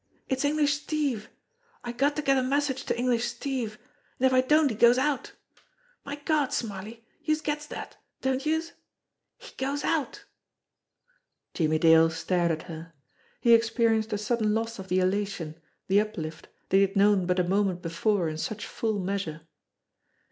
It's English Steve. I got to get a message to English Steve, an' if I don't he goes out. My Gawd, Smarly, youse gets dat, don't youse? He goes out." Jimmie Dale stared at her. He experienced a sudden loss of the elation, the uplift, that he had known but a moment before in such full measure.